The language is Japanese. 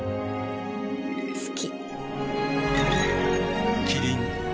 好き。